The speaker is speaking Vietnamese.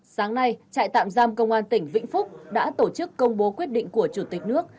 sáng nay trại tạm giam công an tỉnh vĩnh phúc đã tổ chức công bố quyết định của chủ tịch nước